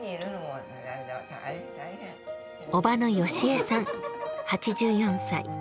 叔母の由江さん、８４歳。